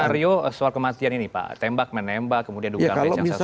skenario soal kematian ini pak tembak menembak kemudian dihukumkan oleh jangsa suau